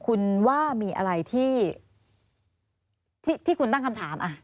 คุณว่ามีอะไรที่คุณตั้งคำถาม